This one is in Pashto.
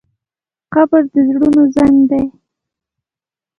قبر د زړونو زنګ دی.